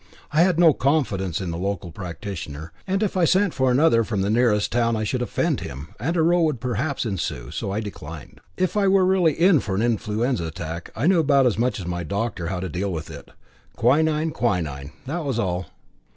I had no confidence in the local practitioner, and if I sent for another from the nearest town I should offend him, and a row would perhaps ensue, so I declined. If I were really in for an influenza attack, I knew about as much as any doctor how to deal with it. Quinine, quinine that was all.